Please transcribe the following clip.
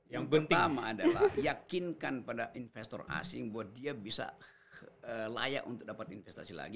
yang pertama adalah yakinkan pada investor asing bahwa dia bisa layak untuk dapat investasi lagi